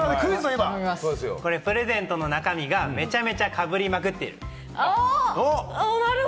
プレゼントの中身がめちゃめちゃかぶりまくっている。